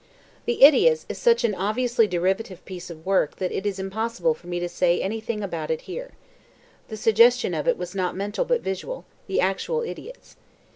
The Idiots is such an obviously derivative piece of work that it is impossible for me to say anything about it here. The suggestion of it was not mental but visual: the actual idiots.